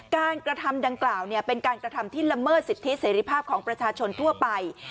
กระทำดังกล่าวเป็นการกระทำที่ละเมิดสิทธิเสรีภาพของประชาชนทั่วไป